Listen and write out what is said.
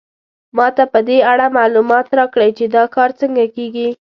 ما ته په دې اړه معلومات راکړئ چې دا کار څنګه کیږي